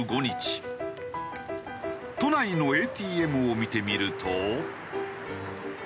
都内のＡＴＭを見てみると。